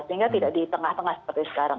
sehingga tidak di tengah tengah seperti sekarang